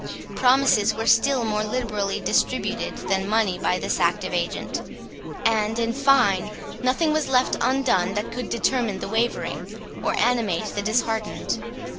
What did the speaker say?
Promises were still more liberally distributed than money by this active agent; and, in fine, nothing was left undone that could determine the wavering, or animate the disheartened.